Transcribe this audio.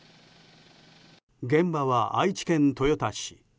現場は愛知県豊田市。